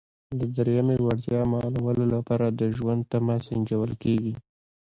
د دریمې وړتیا معلومولو لپاره د ژوند تمه سنجول کیږي.